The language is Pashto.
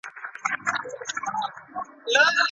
نه ملکانو څه ویل نه څه ویله مُلا